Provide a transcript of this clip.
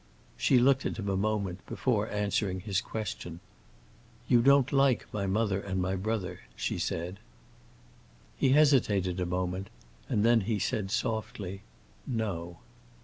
She looked at him a moment before answering his question. "You don't like my mother and my brother," she said. He hesitated a moment, and then he said softly, "No."